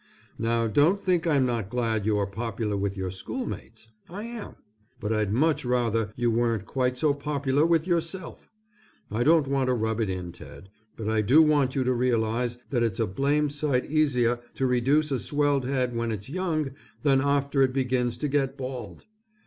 Now don't think I'm not glad you are popular with your schoolmates: I am, but I'd much rather you weren't quite so popular with yourself. I don't want to rub it in Ted, but I do want you to realize that it's a blamed sight easier to reduce a swelled head when it's young than after it begins to get bald.